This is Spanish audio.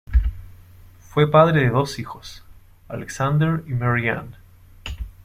Fue padre de dos hijos, Alexandre y Marianne.